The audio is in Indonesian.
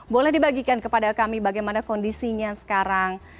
boleh dibagikan kepada kami bagaimana kondisinya sekarang